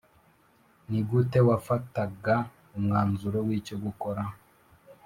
rr Ni gute wafataga umwanzuro w icyo gukora